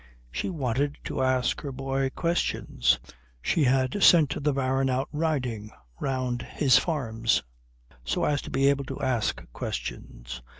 She wanted to ask her boy questions. She had sent the Baron out riding round his farms so as to be able to ask questions.